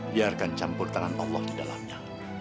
biarkan campur tangan allah di dalamnya